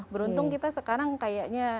beruntung kita sekarang kayaknya